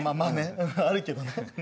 あるけどね。